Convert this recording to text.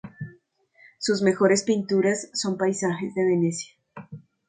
Sus mejores pinturas son paisajes de Venecia.